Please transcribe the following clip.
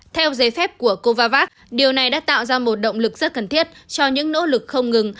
theo giấy phép của covavavax điều này đã tạo ra một động lực rất cần thiết cho những nỗ lực không ngừng